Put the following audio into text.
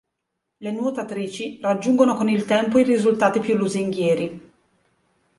Le nuotatrici raggiungono con il tempo i risultati più lusinghieri.